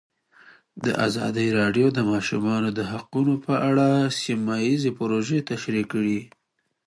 ازادي راډیو د د ماشومانو حقونه په اړه سیمه ییزې پروژې تشریح کړې.